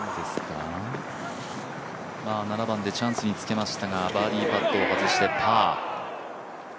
７番でチャンスにつけましたがバーディーパットを外してパー。